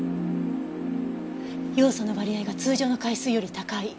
ヨウ素の割合が通常の海水より高い。